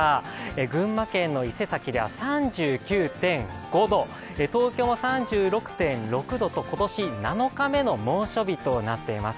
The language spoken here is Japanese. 群馬県の伊勢崎では３９．５度、東京も３６．６度と今年７日目の猛暑日となっています。